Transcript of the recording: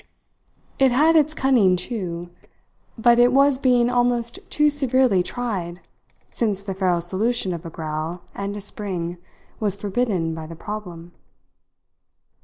It had its cunning too, but it was being almost too severely tried since the feral solution of a growl and a spring was forbidden by the problem.